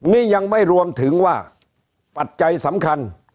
นี่ยังไม่รวมถึงว่าปัจจัยสำคัญ